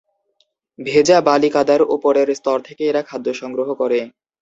ভেজা বালি-কাদার ওপরের স্তর থেকে এরা খাদ্য সংগ্রহ করে।